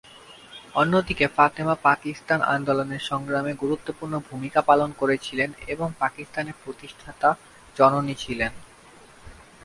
অন্যদিকে ফাতেমা পাকিস্তান আন্দোলনের সংগ্রামে গুরুত্বপূর্ণ ভূমিকা পালন করেছিলেন এবং পাকিস্তানের প্রতিষ্ঠাতা জননী ছিলেন।